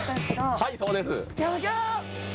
はい、そうです。